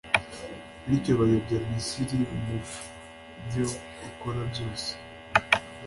bityo bayobya Misiri mu byo ikora byose,